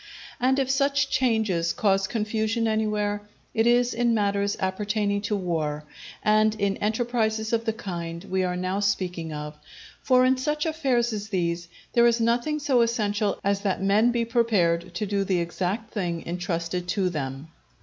And if such changes cause confusion anywhere, it is in matters appertaining to war, and in enterprises of the kind we are now speaking of; for in such affairs as these, there is nothing so essential as that men be prepared to do the exact thing intrusted to them.